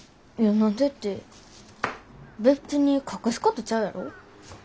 って別に隠すことちゃうやろ。